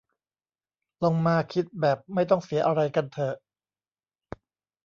ลองมาคิดแบบไม่ต้องเสียอะไรกันเถอะ